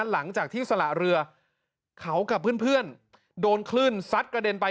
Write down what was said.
หลังจากที่สละเรือเขากับเพื่อนโดนคลื่นซัดกระเด็นไป